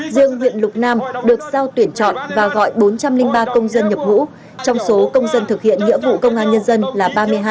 riêng huyện lục nam được giao tuyển chọn và gọi bốn trăm linh ba công dân nhập ngũ trong số công dân thực hiện nghĩa vụ công an nhân dân là ba mươi hai